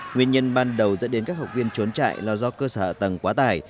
nguyên nhân ban đầu dẫn đến các học viên trốn chạy là do cơ sở ạ tầng quá tải